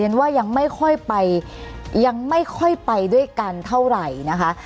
ว่ายังไม่ค่อยไปยังไม่ค่อยไปด้วยกันเท่าไหร่นะคะ